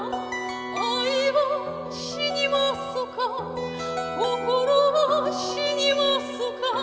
「愛は死にますか心は死にますか」